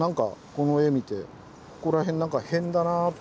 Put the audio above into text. この絵見てここら辺なんか変だなって。